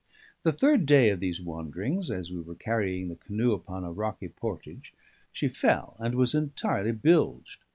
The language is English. The third day of these wanderings, as we were carrying the canoe upon a rocky portage, she fell, and was entirely bilged.